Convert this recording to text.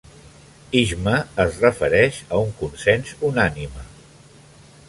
Ijma' es refereix a un consens unànime.